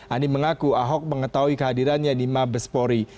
ani mengaku ahok mengetahui kehadirannya di mabespori